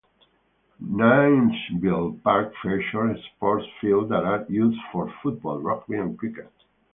Nairnville park features sports fields that are used for football, rugby and cricket.